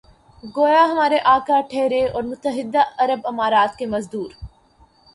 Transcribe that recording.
گویا ہمارے آقا ٹھہرے اور متحدہ عرب امارات کے مزدور۔